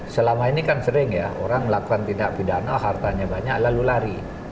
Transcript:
selama ini kan sering ya orang melakukan tindak pidana hartanya banyak lalu lari